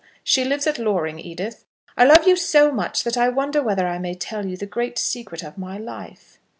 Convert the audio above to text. She lives at Loring. Edith, I love you so much that I wonder whether I may tell you the great secret of my life?"